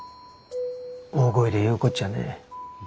大声で言うことじゃねえ。